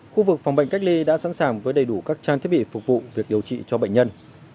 khu vực phòng bệnh cách ly đã sẵn sàng với đầy đủ các trang thiết bị phục vụ việc điều trị cho bệnh nhân